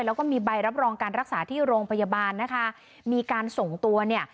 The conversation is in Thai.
แล้วก็มีใบรับรองการรักษาที่โรงพยาบาลนะคะมีการส่งตัวเนี่ย